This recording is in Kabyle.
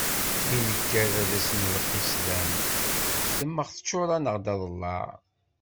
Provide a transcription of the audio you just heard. Mi nekker ad as-nbeqqi sslam temmeɣ teččur-aɣ-d aḍellaɛ n